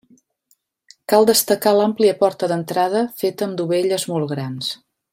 Cal destacar l'àmplia porta d'entrada feta amb dovelles molt grans.